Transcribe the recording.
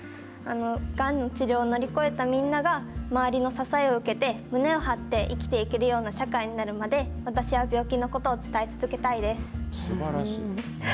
がんの治療を乗り越えたみんなが、周りの支えを受けて、胸を張って生きていけるような社会になるまで、私は病気のことをすばらしい。